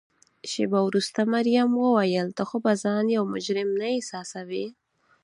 شیبه وروسته مريم وویل: ته خو به ځان یو مجرم نه احساسوې؟